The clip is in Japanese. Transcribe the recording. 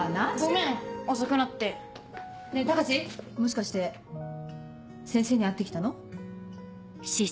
ねぇ高志もしかして先生に会って来たの？